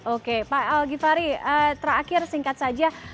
oke pak al gifari terakhir singkat saja